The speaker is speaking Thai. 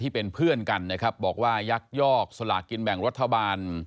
เป็นเพื่อนกันนะครับบอกว่ายักยอกสลากินแบ่งรัฐบาล